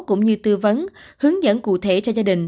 cũng như tư vấn hướng dẫn cụ thể cho gia đình